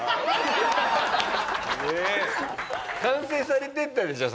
完成されていったでしょ？